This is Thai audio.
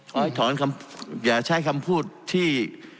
ขอให้ถอนคำอย่าใช้คำพูดที่